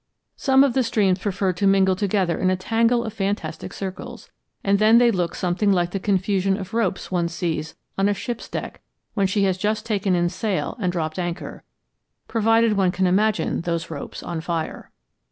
Some of the streams preferred to mingle together in a tangle of fantastic circles, and then they looked something like the confusion of ropes one sees on a ship's deck when she has just taken in sail and dropped anchor provided one can imagine those ropes on fire.